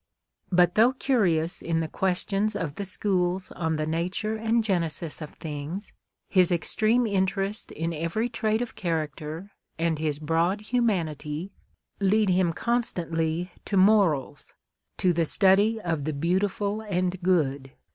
But though curious in the questions of the schools on the nature and genesis of things, his extreme interest in every trait of character, and his broad humanity, lead him constantly to MoralS; to the study of the Beautiful and Good.